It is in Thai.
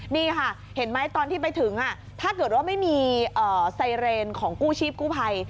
นี่ค่ะเห็นไหมตอนที่ไปถึงถ้าเกิดว่าไม่มีไซเรนของกู้ชีพกู้ภัย